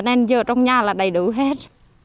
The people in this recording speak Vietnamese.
nên giờ trong nhà là đầy đủ hết